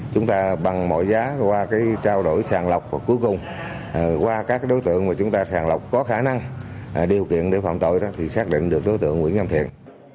chúng ta bằng mọi giá qua cái trao đổi sàng lọc và cuối cùng qua các đối tượng mà chúng ta sàng lọc có khả năng điều kiện để phạm tội đó thì xác định được đối tượng nguyễn văn thiện